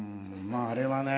ああれはね